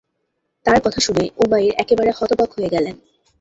তার কথা শুনে উমাইর একেবারে হতবাক হয়ে গেলেন।